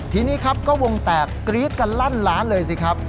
ทีนี้ครับก็วงแตกกรี๊ดกันลั่นล้านเลยสิครับ